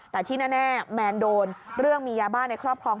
แต่ที่แน่แมนโดนเรื่องมียาบ้าในครอบครอง